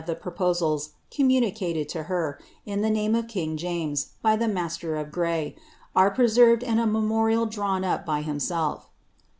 the proposals eoaunuDicuaii her, in the name of king jamris, oy the master of Gray, are presen in a memorial drawn up by himself.